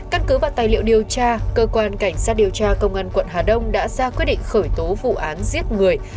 căn cứ vào tài liệu điều tra cơ quan cảnh sát điều tra công an quận hà đông đã ra quyết định khởi tố vụ án giết người